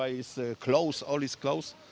ya tidak paham kenapa ini dekat semua dekat